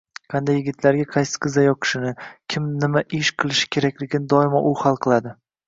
Qanday yigitlarga qaysi qizlar yoqishini, kim nima ish qilishi kerakligini doimo u hal qiladi.